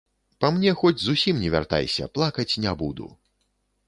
Па мне хоць зусім не вяртайся, плакаць не буду.